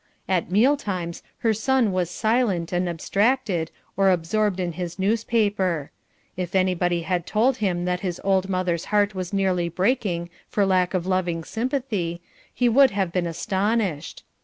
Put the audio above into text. At meal times her son was silent and abstracted or absorbed in his newspaper. If anybody had told him that his old mother's heart was nearly breaking for lack of loving sympathy, he would have been astonished.